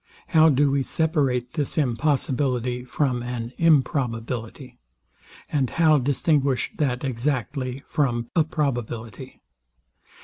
How do we separate this impossibility from an improbability? And how distinguish that exactly from a probability?